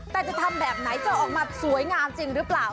แต่จะทำแบบไหนจะออกมาสวยงามจริงหรือเปล่า